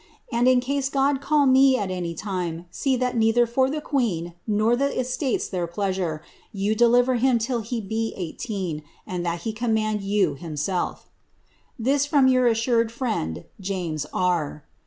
And in case God call me at any time, see that neither for the queen, nor the estates their pleasure, you deliver him till he be eighteen, and that he command 70W himself '* This from your assured friend, "Jamks R."